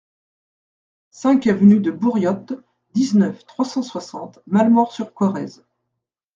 cinq avenue de Bouriottes, dix-neuf, trois cent soixante, Malemort-sur-Corrèze